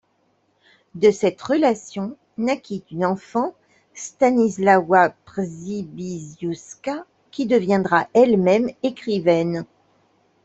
De cette relation naquit une enfant, Stanisława Przybyszewska, qui deviendra elle-même écrivaine.